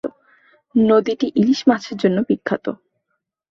নদীটি ইলিশ মাছের জন্য বিখ্যাত।